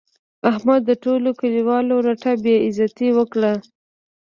احمد د ټولو کلیوالو رټه بې عزتي وکړه.